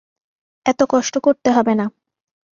এত কষ্ট করতে হবে না।